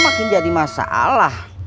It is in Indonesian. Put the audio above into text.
makin jadi masalah